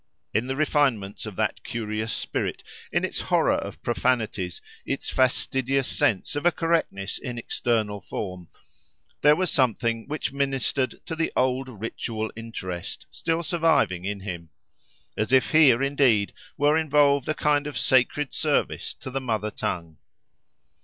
In the refinements of that curious spirit, in its horror of profanities, its fastidious sense of a correctness in external form, there was something which ministered to the old ritual interest, still surviving in him; as if here indeed were involved a kind of sacred service to the mother tongue.